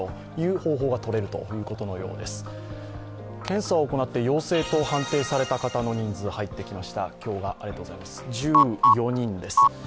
検査を行って陽性と判定された方の人数が入ってきました、今日が１４人です。